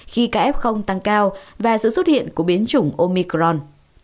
khi ca ép không tăng cao và sự xuất hiện của biến chủng omicron